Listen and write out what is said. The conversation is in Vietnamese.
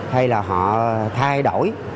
hay là họ thay đổi